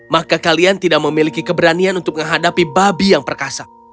maka kalian tidak memiliki keberanian untuk menghadapi babi yang perkasa